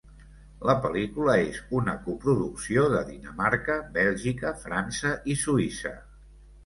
La pel·lícula és una coproducció de Dinamarca, Bèlgica, França i Suïssa.